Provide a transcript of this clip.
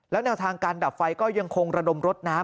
แล้วแนวทางการดับไฟก็ยังคงระดมรถน้ำ